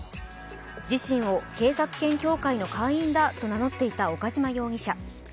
自身を警察犬協会の会員だと名乗っていた岡島容疑者。